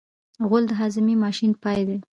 غول د هاضمې ماشین پای دی.